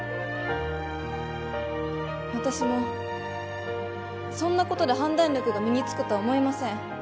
私もそんなことで判断力が身につくとは思えません